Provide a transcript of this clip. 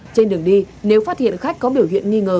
trên đường đi nếu phát hiện khách có biểu hiện nghi ngờ